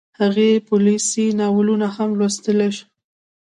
هغې پوليسي ناولونه هم لوستل